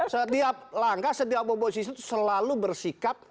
setiap langkah setiap oposisi itu selalu bersikap